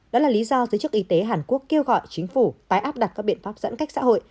đó là lý do giới chức y tế hàn quốc kêu gọi chính phủ tái áp đặt các biện pháp giãn cách xã hội